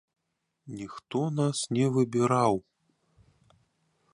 Ніхто нас не выбіраў!